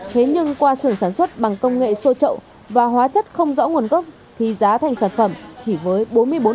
thế nhưng qua sửa sản xuất giả theo mẫu